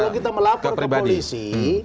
kalau kita melapor ke polisi